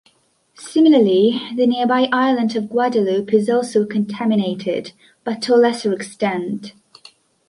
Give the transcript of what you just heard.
Similarly, the nearby island of Guadeloupe is also contaminated, but to a lesser extent.